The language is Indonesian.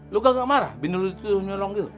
lu gak marah bini lu nyolong gitu